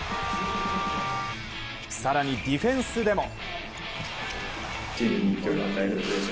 更にディフェンスでも。